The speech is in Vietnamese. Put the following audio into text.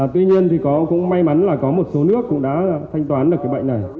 tuy nhiên thì cũng may mắn là có một số nước cũng đã thanh toán được cái bệnh này